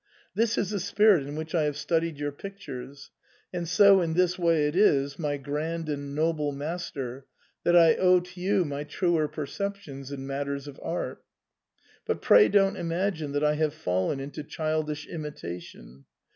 This is the spirit in which I have studied your pictures, and so in this way it is, my grand and noble master, that I owe to you my truer perceptions in matters of art. But pray don't imagine that I have fallen into childish imitation.